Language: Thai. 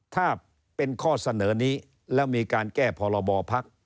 ถ้าเป็นข้อเสนอนี้แล้วมีการแก้พรบพัก